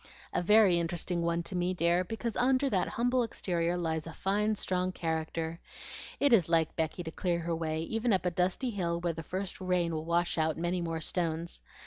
"A very interesting one to me, dear, because under that humble exterior lies a fine, strong character. It is like Becky to clear her way, even up a dusty hill where the first rain will wash out many more stones.